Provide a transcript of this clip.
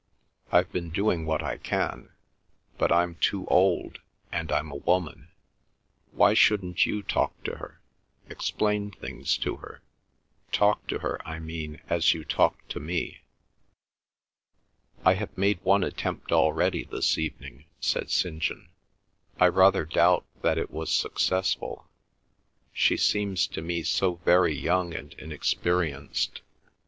I've been doing what I can—but I'm too old, and I'm a woman. Why shouldn't you talk to her—explain things to her—talk to her, I mean, as you talk to me?" "I have made one attempt already this evening," said St. John. "I rather doubt that it was successful. She seems to me so very young and inexperienced.